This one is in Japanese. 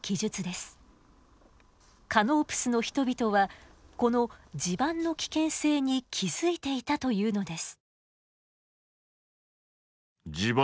カノープスの人々はこの地盤の危険性に気付いていたというのです。